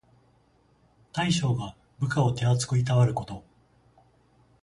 大将が部下を手あつくいたわること。